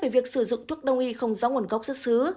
về việc sử dụng thuốc đồng nghi không rõ nguồn gốc xuất xứ